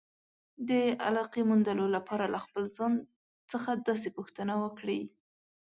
د علاقې موندلو لپاره له خپل ځان څخه داسې پوښتنې وکړئ.